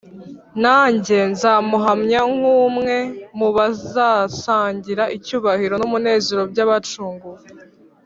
nanjye nzamuhamya nk’umwe mu bazasangira icyubahiro n’umunezero by’abacunguwe